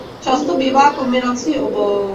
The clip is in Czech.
Často bývá kombinací obou.